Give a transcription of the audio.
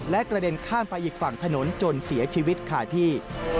และกระเด็นข้ามไปอีกฝั่งถนนจนเสียชีวิตขาดที่